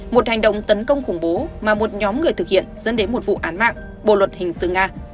một hành động tấn công khủng bố mà một nhóm người thực hiện dẫn đến một vụ án mạng bộ luật hình sự nga